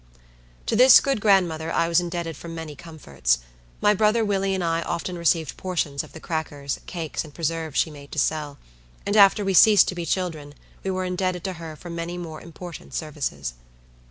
To this good grandmother I was indebted for many comforts. My brother Willie and I often received portions of the crackers, cakes, and preserves, she made to sell; and after we ceased to be children we were indebted to her for many more important services.